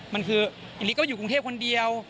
มันคืออิเล็กก็อยู่กรุงเทพคนเดียว